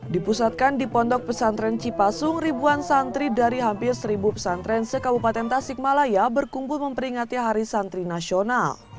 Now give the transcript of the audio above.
dipusatkan di pondok pesantren cipasung ribuan santri dari hampir seribu pesantren sekabupaten tasikmalaya berkumpul memperingati hari santri nasional